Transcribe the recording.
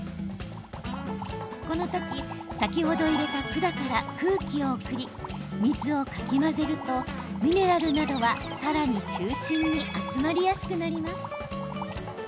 この時先ほど入れた管から空気を送り水をかき混ぜるとミネラルなどは、さらに中心に集まりやすくなります。